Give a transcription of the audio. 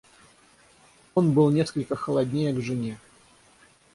Он был несколько холоднее к жене.